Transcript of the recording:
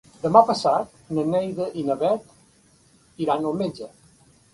Demà passat na Neida i na Bet iran al metge.